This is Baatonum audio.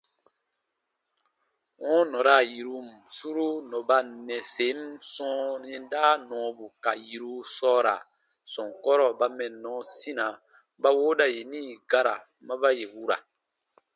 Wɔ̃ɔ nɔra yirun suru nɔba nnɛsen sɔ̃ɔ yɛnda nɔɔbu ka yiru sɔɔra sɔnkɔrɔ ba mɛnnɔ sina ba wooda yeni gara ma ba yè wura.